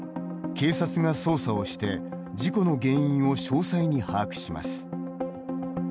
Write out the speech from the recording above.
警察が捜査をして事故の原因を詳細に把握します。